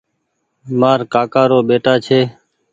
مآر ڪآڪآ رو ٻيٽآ ڇي۔